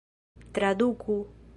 traduku